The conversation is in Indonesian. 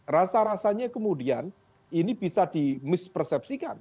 rasa rasanya kemudian ini bisa dimispersepsikan